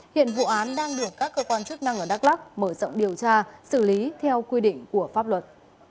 hiện vụ án đang được các cơ quan chức năng ở đắk lắc mở rộng điều tra xử lý theo quy định của pháp luật